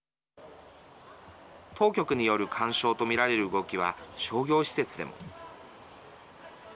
当局による干渉と見られる動きは商業施設でも。